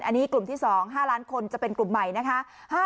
อันนี้กลุ่มที่๒๕ล้านคนจะเป็นกลุ่มใหม่นะคะ